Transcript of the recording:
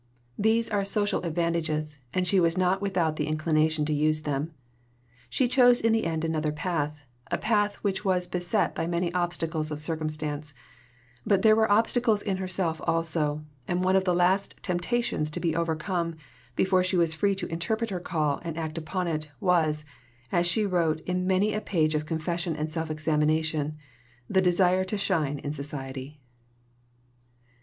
These are social advantages, and she was not without the inclination to use them. She chose in the end another path a path which was beset by many obstacles of circumstance; but there were obstacles in herself also, and one of the last "temptations" to be overcome, before she was free to interpret her call and to act upon it, was (as she wrote in many a page of confession and self examination) "the desire to shine in society."